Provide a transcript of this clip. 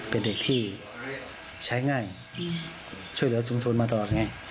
เป็นเด็กที่ใช้ง่ายช่วยเหลือชุมชนมาตลอดไง